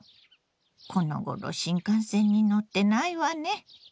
このごろ新幹線に乗ってないわね。